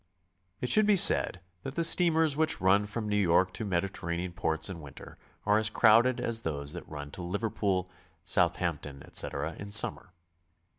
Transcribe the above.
It should be said that the steamers which run from New York to Mediterranean ports in winter are as crowded as those that run to Liverpool, Southampton, etc., in summer.